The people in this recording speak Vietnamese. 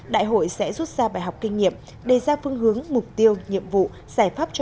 đại hội sẽ rút ra bài học kinh nghiệm đề ra phương hướng mục tiêu nhiệm vụ giải pháp cho